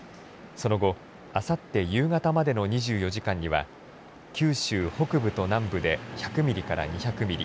その後、あさって夕方までの２４時間には九州北部と南部で１００ミリから２００ミリ